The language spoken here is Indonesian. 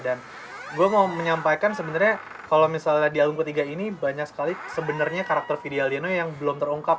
dan gue mau menyampaikan sebenarnya kalau misalnya di album ketiga ini banyak sekali sebenarnya karakter fidya aldiano yang belum terungkap